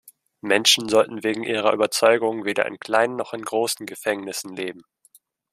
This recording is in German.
Menschen sollten wegen ihrer Überzeugungen weder in kleinen noch in großen Gefängnissen leben.